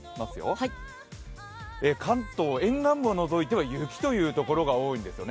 関東沿岸部を除いては雪というところが多いんですよね。